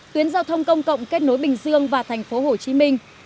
tuyến giao thông công cộng kết nối bình dương và thành phố hồ chí minh